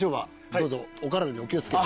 どうぞお体にお気を付けて。